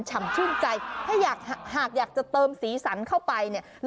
ชื่นใจถ้าอยากหากอยากจะเติมสีสันเข้าไปเนี่ย